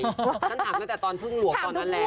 ฉันถามตั้งแต่ตอนพึ่งหลวงตอนนั้นแล้ว